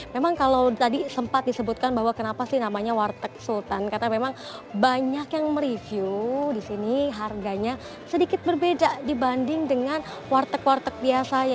memang kalau tadi sempat disebutkan bahwa kenapa sih namanya warteg sultan karena memang banyak yang mereview di sini harganya sedikit berbeda dibanding dengan warteg warteg biasanya